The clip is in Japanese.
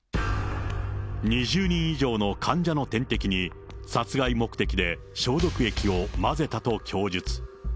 ２０人以上の患者の点滴に、殺害目的で消毒液を混ぜたと供述。